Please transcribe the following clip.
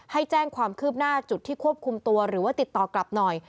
ให้แจ้งความคืบหน้าจุดที่ควบคุมตัวหรือว่าติดต่อกลับหน่อย